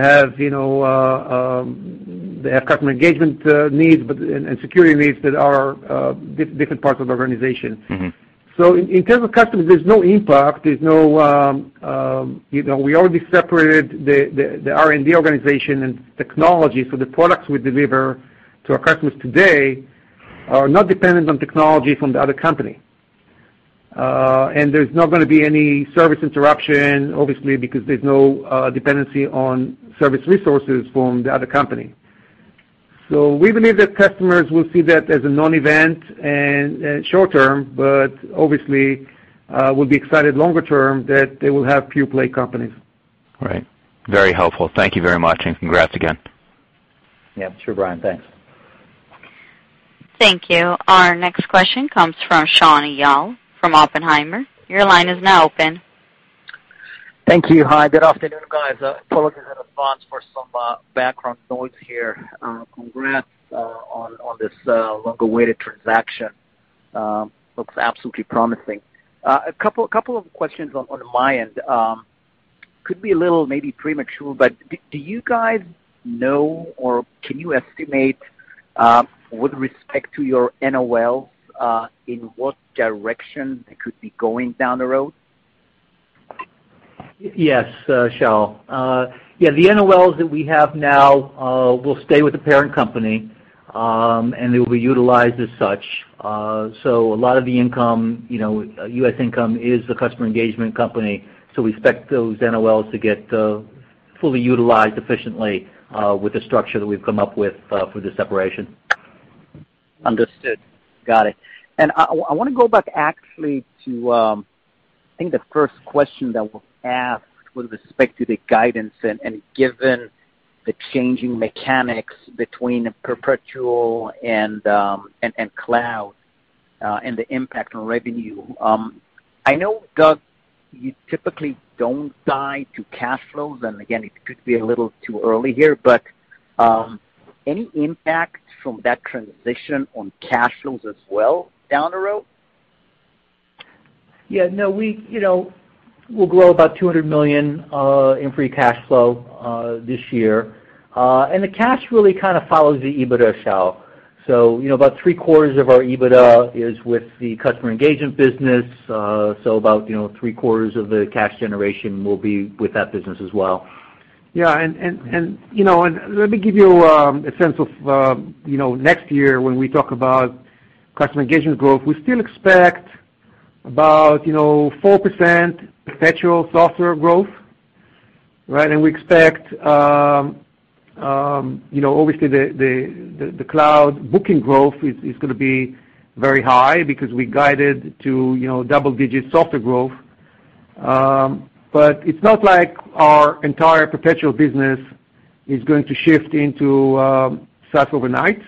have customer engagement needs and security needs that are different parts of the organization. So in terms of customers, there's no impact. There's no, we already separated the R&D organization and technology. So the products we deliver to our customers today are not dependent on technology from the other company. And there's not going to be any service interruption, obviously, because there's no dependency on service resources from the other company. So we believe that customers will see that as a non-event and short-term, but obviously, we'll be excited longer-term that they will have pure-play companies. Right. Very helpful. Thank you very much. And congrats again. Yeah. Sure, Brian. Thanks. Thank you. Our next question comes from Shaul Eyal from Oppenheimer. Your line is now open. Thank you. Hi. Good afternoon, guys. Apologies in advance for some background noise here. Congrats on this long-awaited transaction. Looks absolutely promising. A couple of questions on my end. Could be a little maybe premature, but do you guys know or can you estimate, with respect to your NOLs, in what direction they could be going down the road? Yes, Shaul. Yeah. The NOLs that we have now will stay with the parent company, and they will be utilized as such. So a lot of the income, U.S. income, is the customer engagement company. So we expect those NOLs to get fully utilized efficiently with the structure that we've come up with for the separation. Understood. Got it. I want to go back, actually, to I think the first question that was asked with respect to the guidance and given the changing mechanics between perpetual and cloud and the impact on revenue. I know, Doug, you typically don't tie to cash flows. And again, it could be a little too early here, but any impact from that transition on cash flows as well down the road? Yeah. No. We'll grow about $200 million in free cash flow this year. And the cash really kind of follows the EBITDA, Shaul. So about three-quarters of our EBITDA is with the customer engagement business. So about three-quarters of the cash generation will be with that business as well. Yeah. And let me give you a sense of next year when we talk about customer engagement growth. We still expect about 4% perpetual software growth? Right and we expect, obviously, the cloud booking growth is going to be very high because we guided to double-digit software growth. But it's not like our entire perpetual business is going to shift into SaaS overnight.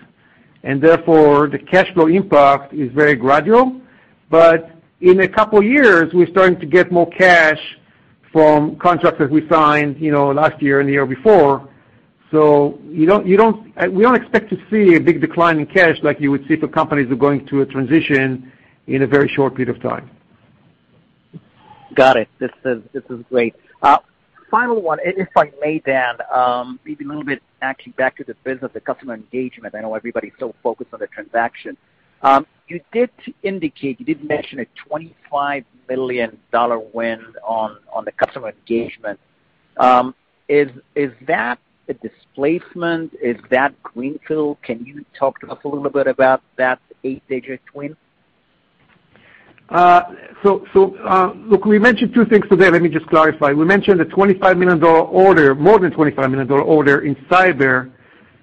And therefore, the cash flow impact is very gradual. But in a couple of years, we're starting to get more cash from contracts that we signed last year and the year before. So we don't expect to see a big decline in cash like you would see if a company is going to a transition in a very short period of time. Got it. This is great. Final one, if I may, Dan, maybe a little bit actually back to the business, the customer engagement. I know everybody's so focused on the transaction. You did indicate you did mention a $25 million win on the customer engagement. Is that a displacement? Is that greenfield? Can you talk to us a little bit about that eight-digit win? So look, we mentioned two things today. Let me just clarify. We mentioned a $25 million order, more than $25 million order in cyber.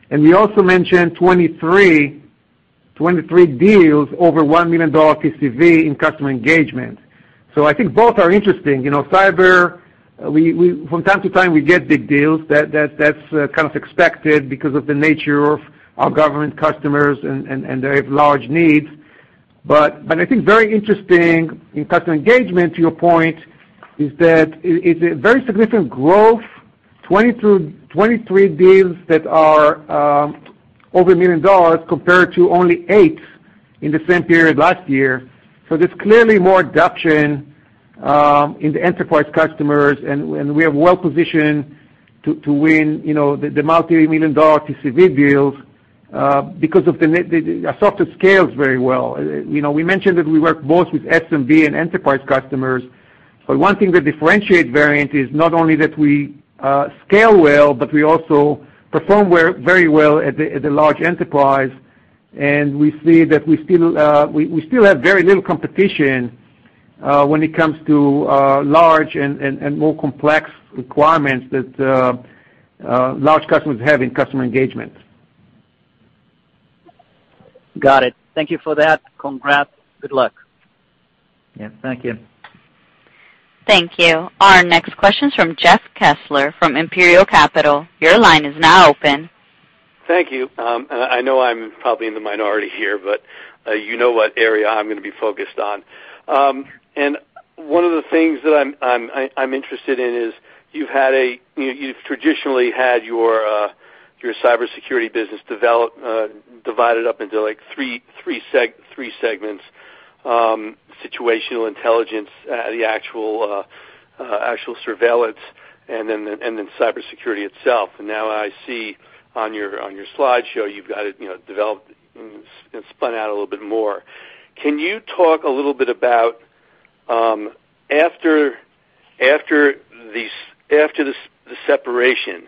And we also mentioned 23 deals over $1 million CCV in customer engagement. So I think both are interesting. Cyber, from time to time, we get big deals. That's kind of expected because of the nature of our government customers, and they have large needs. But I think very interesting in customer engagement, to your point, is that it's a very significant growth, 23 deals that are over a million dollars compared to only eight in the same period last year. So there's clearly more adoption in the enterprise customers. And we are well-positioned to win the multi-million dollar CCV deals because our software scales very well. We mentioned that we work both with SMB and enterprise customers. But one thing that differentiates Verint is not only that we scale well, but we also perform very well at the large enterprise. And we see that we still have very little competition when it comes to large and more complex requirements that large customers have in customer engagement. Got it. Thank you for that. Congrats. Good luck. Yeah. Thank you. Thank you. Our next question is from Jeff Kessler from Imperial Capital. Your line is now open. Thank you. I know I'm probably in the minority here, but you know what area I'm going to be focused on. And one of the things that I'm interested in is you've traditionally had your cybersecurity business divided up into three segments: situational intelligence, the actual surveillance, and then cybersecurity itself. And now I see on your slideshow you've got it developed and spun out a little bit more. Can you talk a little bit about after the separation,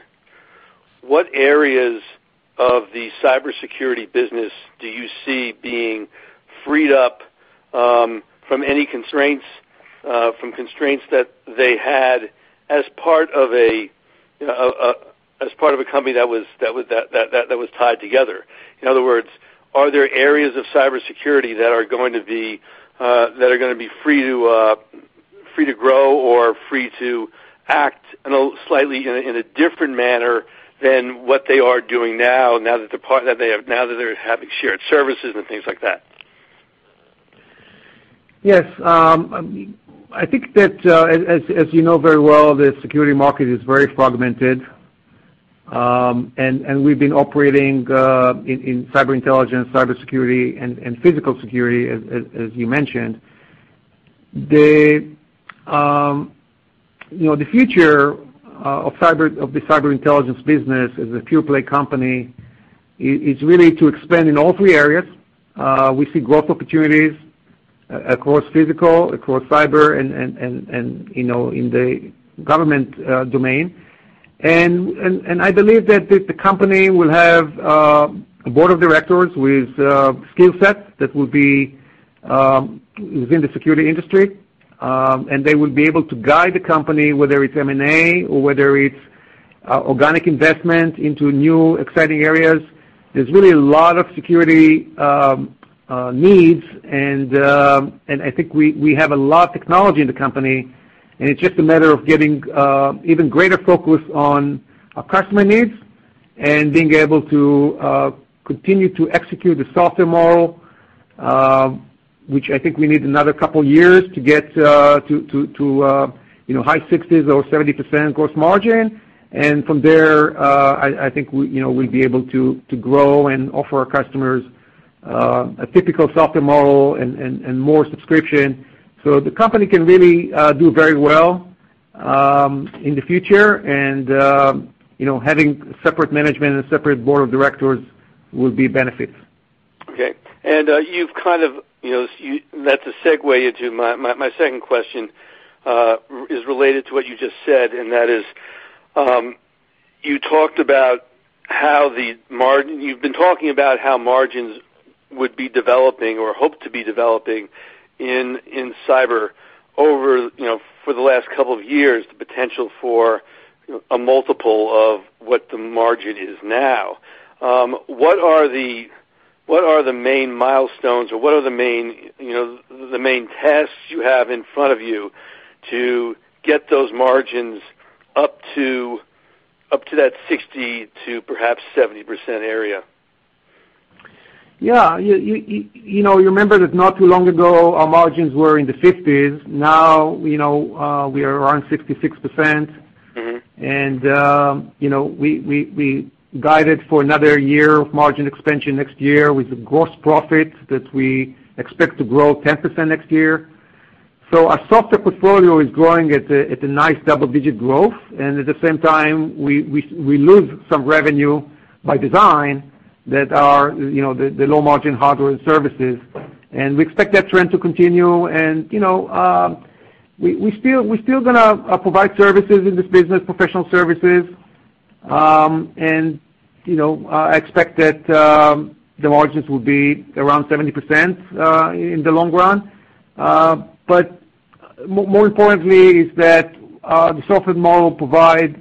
what areas of the cybersecurity business do you see being freed up from any constraints that they had as part of a company that was tied together? In other words, are there areas of cybersecurity that are going to be free to grow or free to act slightly in a different manner than what they are doing now, now that they're having shared services and things like that? Yes. I think that, as you know very well, the security market is very fragmented. And we've been operating in cyber intelligence, cybersecurity, and physical security, as you mentioned. The future of the cyber intelligence business as a pure-play company is really to expand in all three areas. We see growth opportunities across physical, across cyber, and in the government domain. I believe that the company will have a board of directors with skill set that will be within the security industry. They will be able to guide the company, whether it's M&A or whether it's organic investment into new exciting areas. There's really a lot of security needs. I think we have a lot of technology in the company. It's just a matter of getting even greater focus on our customer needs and being able to continue to execute the software model, which I think we need another couple of years to get to high 60s or 70% gross margin. And from there, I think we'll be able to grow and offer our customers a typical software model and more subscription. So the company can really do very well in the future. And having separate management and a separate board of directors will be a benefit. Okay. And you've kind of that's a segue into my second question is related to what you just said. And that is you talked about how the you've been talking about how margins would be developing or hope to be developing in cyber over for the last couple of years, the potential for a multiple of what the margin is now. What are the main milestones or what are the main tests you have in front of you to get those margins up to that 60%-70% area? Yeah. You remember that not too long ago, our margins were in the 50s. Now we are around 66%. And we guided for another year of margin expansion next year with gross profit that we expect to grow 10% next year. So our software portfolio is growing at a nice double-digit growth. And at the same time, we lose some revenue by design that are the low-margin hardware and services, and we expect that trend to continue, and we're still going to provide services in this business, professional services, and I expect that the margins will be around 70% in the long run. But more importantly, is that the software model provides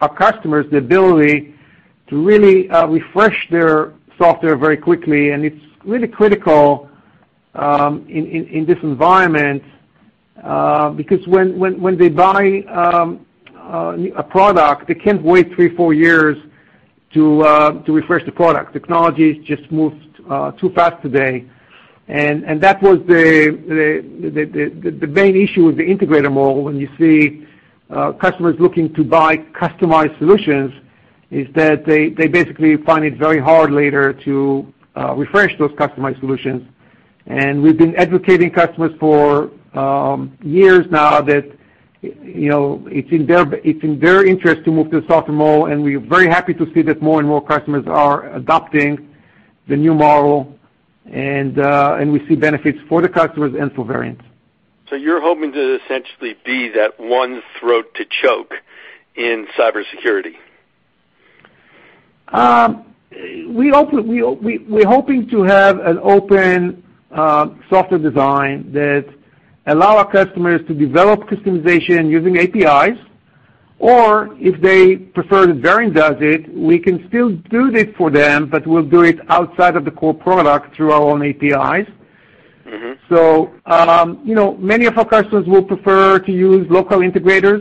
our customers the ability to really refresh their software very quickly. And it's really critical in this environment because when they buy a product, they can't wait three, four years to refresh the product. Technology just moves too fast today. And that was the main issue with the integrator model. When you see customers looking to buy customized solutions, is that they basically find it very hard later to refresh those customized solutions. And we've been advocating customers for years now that it's in their interest to move to the software model. And we're very happy to see that more and more customers are adopting the new model. And we see benefits for the customers and for Verint. So you're hoping to essentially be that one throat to choke in cybersecurity? We're hoping to have an open software design that allows our customers to develop customization using APIs. Or if they prefer that Verint does it, we can still do it for them, but we'll do it outside of the core product through our own APIs. So many of our customers will prefer to use local integrators,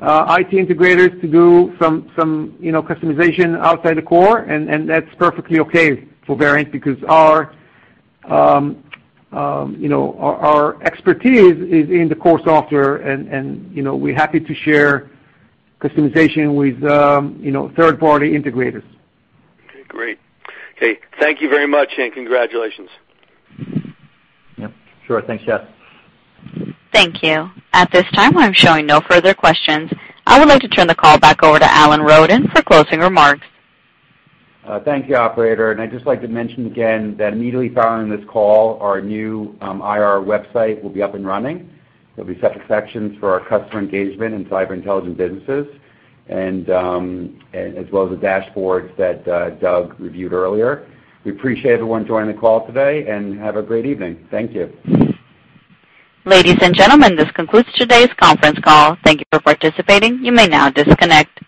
IT integrators to do some customization outside the core. And that's perfectly okay for Verint because our expertise is in the core software. And we're happy to share customization with third-party integrators. Okay. Great. Okay. Thank you very much and congratulations. Yep. Sure. Thanks, Jeff. Thank you. At this time, I'm showing no further questions. I would like to turn the call back over to Alan Roden for closing remarks. Thank you, operator. And I'd just like to mention again that immediately following this call, our new IR website will be up and running. There'll be separate sections for our customer engagement and cyber intelligence businesses, as well as the dashboards that Doug reviewed earlier. We appreciate everyone joining the call today and have a great evening. Thank you. Ladies and gentlemen, this concludes today's conference call. Thank you for participating. You may now disconnect.